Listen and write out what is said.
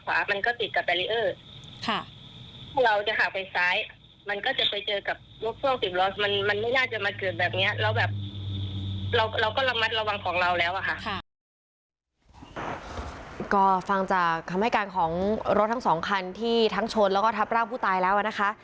ก็ฟังจากคำให้การของรถทั้งสองคันที่ทั้งชนแล้วก็ทับร่างผู้ตายแล้วนะคะ